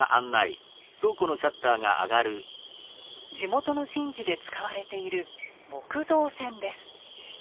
地元の神事で使われている木造船です。